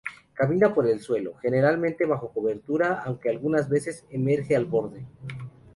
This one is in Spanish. Camina por el suelo, generalmente bajo cobertura aunque algunas veces emerge al borde.